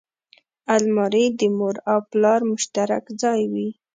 الماري د مور او پلار مشترک ځای وي